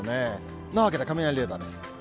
そんなわけで雷レーダーです。